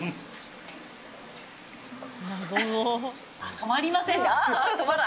止まりませんね。